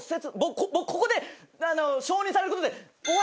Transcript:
ここで承認されることで。